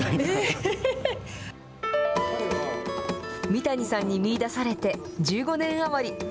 三谷さんに見いだされて１５年余り。